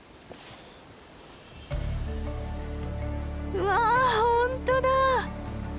うわ本当だ！